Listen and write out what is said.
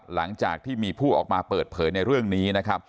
หลังจากที่มีผู้ออกมาเปิดเผยในเรื่องนี้นะครับ